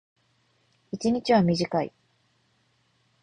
一日は短い。